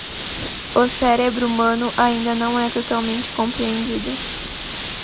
O cérebro humano ainda não é totalmente compreendido.